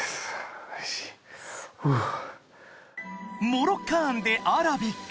［モロッカンでアラビック］